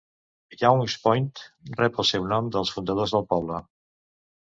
Young's Point rep el seu nom dels fundadors del poble.